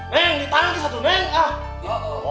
neng ditangis itu